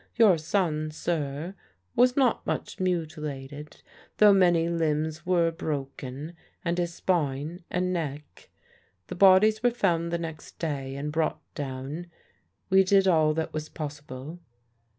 Your son, sir, was not much mutilated, though many limbs were broken and his spine and neck. The bodies were found the next day and brought down. We did all that was possible.